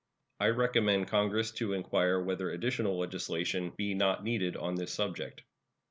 I recommend Congress to inquire whether additional legislation be not needed on this subject.